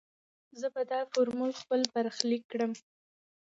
زه به دا فورمول خپل برخليک کړم.